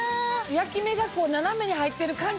焼き目が斜めに入ってる感じが。